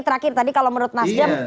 terakhir tadi kalau menurut nasdem